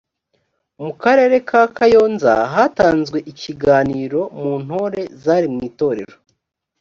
mu karere ka kayonza hatanzwe ikiganiro mu ntore zari mu itorero